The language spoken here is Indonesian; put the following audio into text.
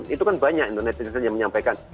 itu kan banyak netizen yang menyampaikan